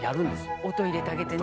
音入れてあげてね。